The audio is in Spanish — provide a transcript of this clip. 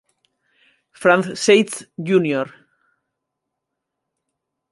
Franz Seitz, Jr.